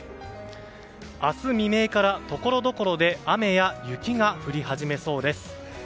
明日未明からところどころで雨や雪が降り始めそうです。